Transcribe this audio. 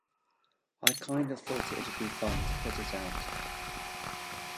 I kind of thought it'd be fun to put it out.